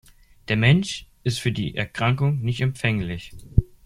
Der Mensch ist für die Erkrankung nicht empfänglich.